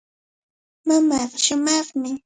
Mamaaqa shumaqmi.